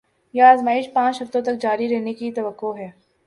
یہ آزمائش پانچ ہفتوں تک جاری رہنے کی توقع ہے